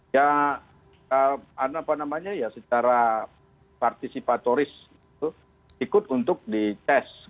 ya apa namanya ya secara partisipatoris ikut untuk dites